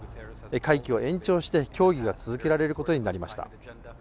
会期を延長して協議が続けられることになりました。